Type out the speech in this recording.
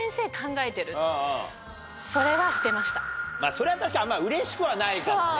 それは確かにあんまりうれしくはないかもね。